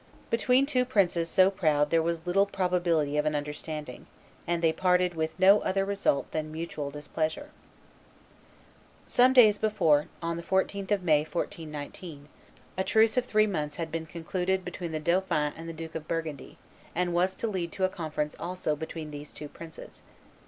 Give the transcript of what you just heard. Between two princes so proud there was little probability of an understanding; and they parted with no other result than mutual displeasure. Some days before, on the 14th of May, 1419, a truce of three months had been concluded between the dauphin and the Duke of Burgundy, and was to lead to a conference also between these two princes.